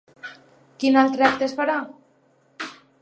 Quin altre acte es farà?